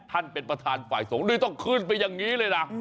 ท่านประธานเป็นประธานฝ่ายสงฆ์นี่ต้องขึ้นไปอย่างนี้เลยนะ